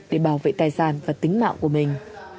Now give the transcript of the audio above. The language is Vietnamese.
để bảo vệ tài sản và tính mạng của mình